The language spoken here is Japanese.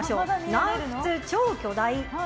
南仏超巨大！